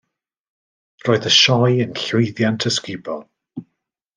Roedd y sioe yn llwyddiant ysgubol.